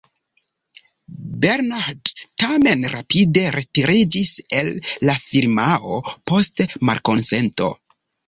Bernhard tamen rapide retiriĝis el la firmao post malkonsento.